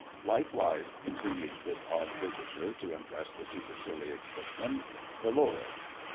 Likewise," continued this odd visitor, to impress the supercilious footman, "the lord."